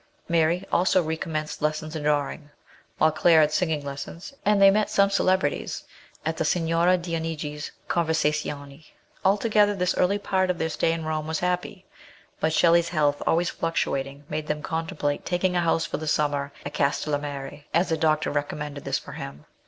Mary also recommenced lessons in drawing, while Claire had singing lessons, and they met some celebrities at the Signora Dionigi's conversazioni. Altogether this early part of their stay in Rome was happy, but Shelley's health always fluctuating made them con template taking a house for the summer atCastellamare, as a doctor recommended this for him.